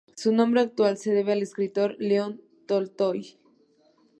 Su nombre actual se debe al escritor León Tolstói.